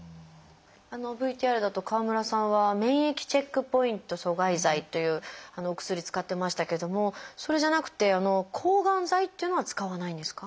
あのＶＴＲだと川村さんは免疫チェックポイント阻害剤というお薬使ってましたけどもそれじゃなくて抗がん剤っていうのは使わないんですか？